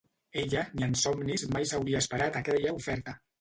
Ella, ni en somnis mai s'hauria esperat aquella oferta.